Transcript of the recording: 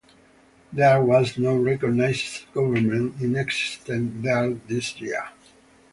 There was no recognized government in existence there this year.